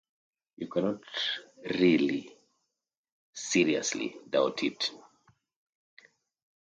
You cannot really, seriously, doubt it.